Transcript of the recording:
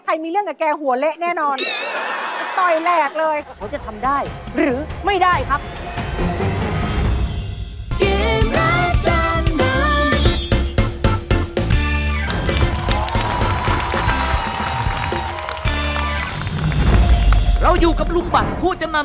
ใครมีเรื่องกับแกหัวเละแน่นอน